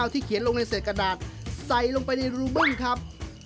ที่เขียนลงในเศษกระดาษใส่ลงไปในรูบึ้งครับ